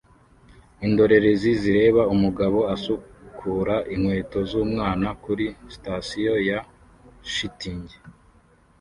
Indorerezi zireba umugabo asukura inkweto z'umwana kuri sitasiyo ya shitingi